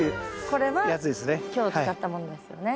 これは今日使ったものですよね。